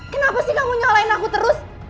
kenapa sih kamu nyalahin aku terus